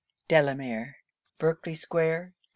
DELAMERE.' _Berkley square, Dec.